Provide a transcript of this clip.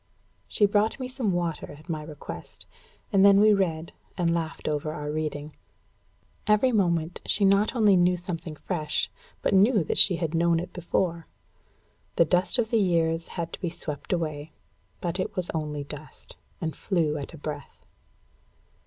She brought me some water, at my request; and then we read, and laughed over our reading. Every moment she not only knew something fresh, but knew that she had known it before. The dust of the years had to be swept away; but it was only dust, and flew at a breath.